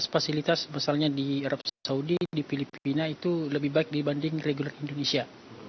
fasilitas fasilitas misalnya di arab saudi di filipina itu lebih baik dibanding reguler indonesia